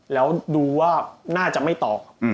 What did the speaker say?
แล้วดูว่าน่าจะไม่ตอบ